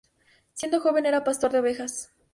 Siendo joven era pastor de ovejas.